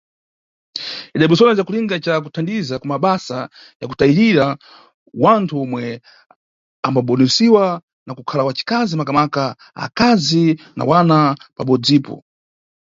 Idabweresiwa na cakulinga ca kuthandiza ku mabasa ya kutayirira wanthu omwe ambaboneresiwa na kukhala wacikazi, makamaka akazi na wana pabodzipo.